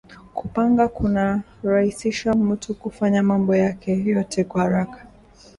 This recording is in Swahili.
Kupanga kuna raisisha mutu kufanya mambo yake yote kwa araka